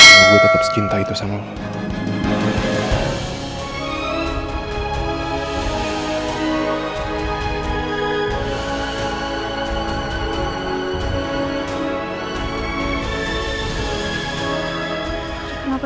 langin gue tetep semakin cinta itu sama lo